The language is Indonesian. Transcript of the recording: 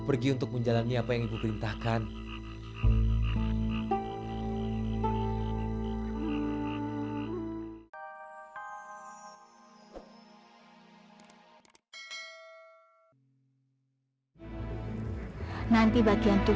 sebetulnya ada masalah apa ini